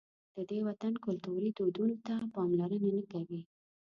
د دې وطن کلتوري دودونو ته پاملرنه نه کوي.